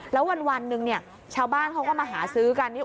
แล้ววันหนึ่งเนี่ยชาวบ้านเขาก็มาหาซื้อกัน